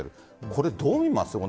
これ、どう見ますか？